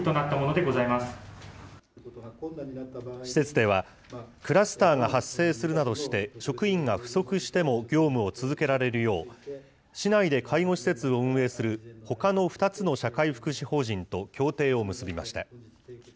施設では、クラスターが発生するなどして職員が不足しても業務を続けられるよう、市内で介護施設を運営するほかの２つの社会福祉法人と協定を結びました。